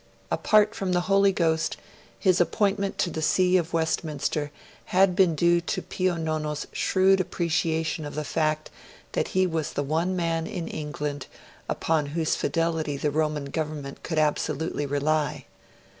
Apart from the Holy Ghost, his appointment to the See of Westminster had been due to Pio Nono's shrewd appreciation of the fact that he was the one man in England upon whose fidelity the Roman Government could absolutely rely.